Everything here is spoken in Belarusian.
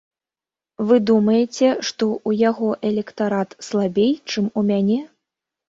Вы думаеце, што, у яго электарат слабей, чым у мяне?